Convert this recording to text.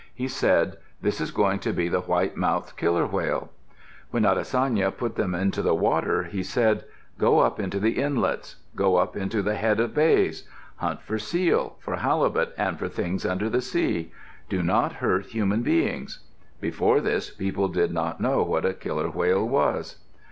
He said, "This is going to be the white mouthed killer whale." When Natsayane put them into the water, he said, "Go up into the inlets. Go up into the head of the bays. Hunt for seal, for halibut, and for things under the sea. Do not hurt human beings." Before this people did not know what a killer whale was.